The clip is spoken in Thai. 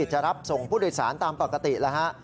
จะรับส่งผู้โดยสารตามปกติแล้วฮะ